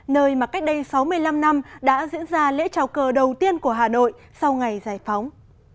nơi mà cách đây sáu mươi năm năm đã diễn ra lễ trào cờ đầu tiên của hà nội sau ngày giải phóng